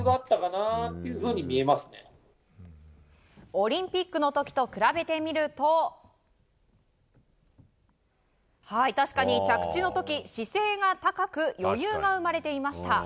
オリンピックの時と比べてみると確かに着地の時、姿勢が高く余裕が生まれていました。